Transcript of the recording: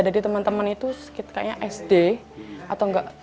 jadi teman teman itu sekitarnya sd atau enggak